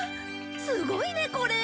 すごいねこれ！